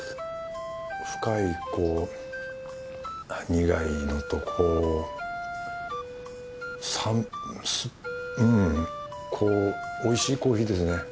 深いこう苦いのとこうさすうんこうおいしいコーヒーですね。